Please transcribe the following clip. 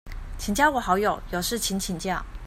請加我好友，有事情請教